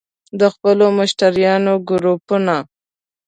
- د خپلو مشتریانو ګروپونه